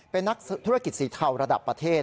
เป็นนักธุรกิจสีเทาระดับประเทศ